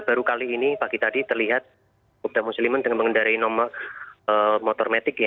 baru kali ini pagi tadi terlihat kopda m muslimin dengan mengendari motor metik